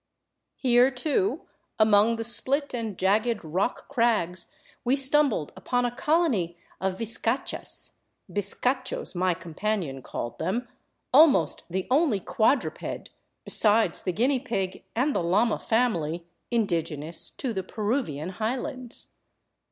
Here, too, among the split and jagged rock crags we stumbled upon a colony of viscachas, —*' biscachos " my companion called them — almost the only quadruped, besides the guinea pig and the llama family, indigenous to the Peru vian highlands.